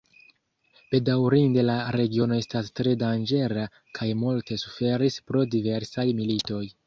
Bedaŭrinde la regiono estas tre danĝera kaj multe suferis pro diversaj militoj.